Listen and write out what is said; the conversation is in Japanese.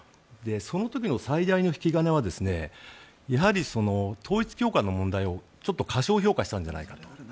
その時の最大の引き金はやはり統一教会の問題を過小評価したんじゃないかと。